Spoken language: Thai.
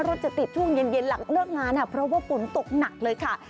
จะติดช่วงเย็นหลังเลิกงานเพราะว่าฝนตกหนักเลยค่ะ